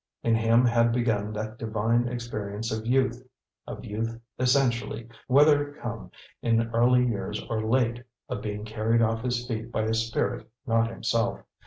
In him had begun that divine experience of youth of youth essentially, whether it come in early years or late of being carried off his feet by a spirit not himself.